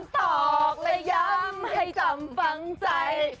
ตอกและย้ำให้จำฟังใจ